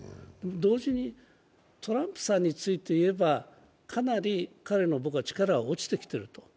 同時に、トランプさんについて言えば、かなり彼の力が落ちてきていると。